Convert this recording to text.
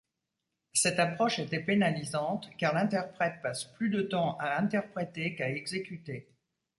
Cette approche était pénalisante, car l'interprète passe plus de temps à interpréter qu'à exécuter.